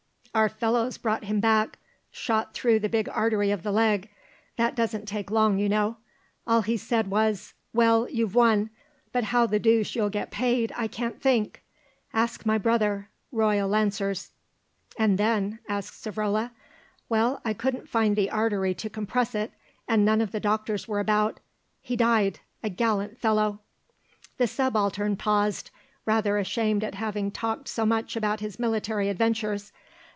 Our fellows brought him back, shot through the big artery of the leg; that doesn't take long, you know. All he said was: 'Well, you've won, but how the deuce you'll get paid, I can't think. Ask my brother, Royal Lancers.'" "And then?" asked Savrola. "Well, I couldn't find the artery to compress it, and none of the doctors were about. He died, a gallant fellow!" The Subaltern paused, rather ashamed at having talked so much about his military adventures.